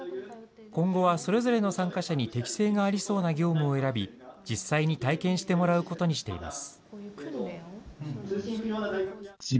今後はそれぞれの参加者に適性がありそうな業務を選び、実際に体験してもらうことにしています。